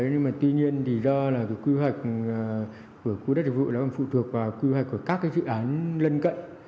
nhưng mà tuy nhiên thì do là quy hoạch của quốc gia đại dụng ẩm phục thuộc vào quy hoạch của các dự án lân cận